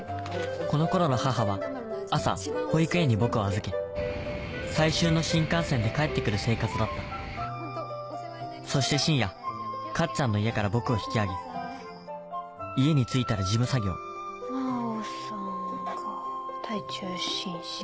この頃の母は朝保育園に僕を預け最終の新幹線で帰って来る生活だったそして深夜カッちゃんの家から僕を引き上げ家に着いたら事務作業まおさんがタイ中心白。